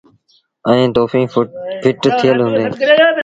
ائيٚݩ توڦيٚن ڦٽ ٿيٚل هُݩديٚݩ۔